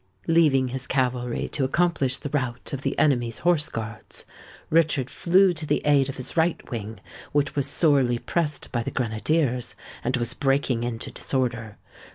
Leaving his cavalry to accomplish the rout of the enemy's horse guards, Richard flew to the aid of his right wing, which was sorely pressed by the grenadiers, and was breaking into disorder.